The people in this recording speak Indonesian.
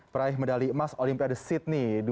meraih medali emas olimpiade sydney dua ribu